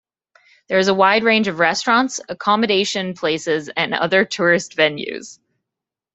There is a wide range of restaurants, accommodation places and other tourist venues.